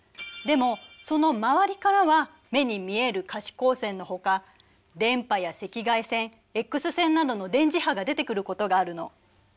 でもその周りからは目に見える可視光線のほか電波や赤外線Ｘ線などの電磁波が出てくることがあるの。